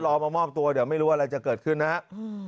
รอมามอบตัวเดี๋ยวไม่รู้อะไรจะเกิดขึ้นนะครับ